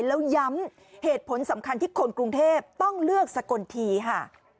แล้วย้ำเหตุผลสำคัญที่คนกรุงเทพต้องเลือกสกลทีค่ะ